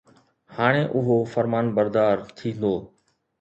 هاڻي اهو فرمانبردار ٿيندو.